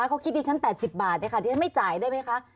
๑๕๘๔ค่ะเขาคิดดิฉัน๘๐บาทเนี่ยค่ะดิฉันไม่จ่ายได้ไหมค่ะ